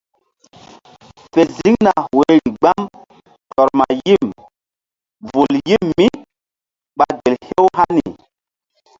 Fe ziŋ na woyri gbam tɔr ma yim vul yim míɓa gel hew hani.